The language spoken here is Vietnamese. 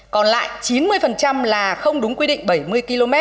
còn lại chín mươi là không đúng quy định bảy mươi km